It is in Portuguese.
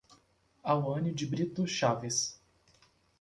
Auane de Brito Chaves